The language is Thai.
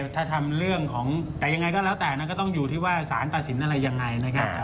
ถ้าทำเรื่องของแต่ยังไงก็แล้วแต่นั้นก็ต้องอยู่ที่ว่าสารตัดสินอะไรยังไงนะครับ